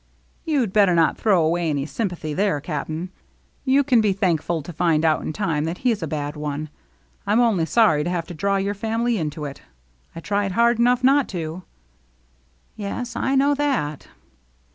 "You'd better not throw away any sympathy there, Cap'n. You can be thankful to find out in time that he's a bad one. Vm only sorry to have to draw your family into it. I tried hard enough not to." "Yes, I know that."